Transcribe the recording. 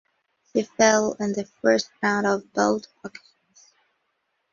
She fell in the first round on both occasions.